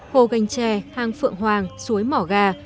hồ gành tre hang phượng hoàng suối mỏ gà